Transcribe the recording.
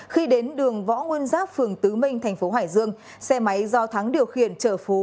khi đến đường võ nguyên giáp phường tứ minh thành phố hải dương xe máy do thắng điều khiển chở phú